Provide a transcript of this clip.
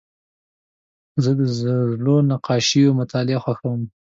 زه د زړو نقاشیو مطالعه خوښوم.